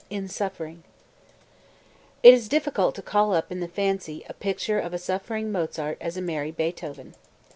IN SUFFERING It is as difficult to call up in the fancy a picture of a suffering Mozart as a merry Beethoven.